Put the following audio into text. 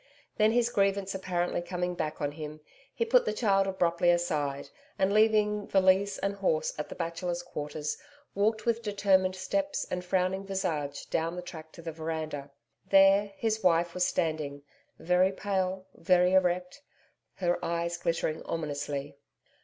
Then, his grievance aparently coming back on him, he put the child abruptly aside, and leaving valise and horse at the Bachelors' Quarters, walked with determined steps and frowning visage down the track to the veranda. There, his wife was standing, very pale, very erect, her eyes glittering ominously.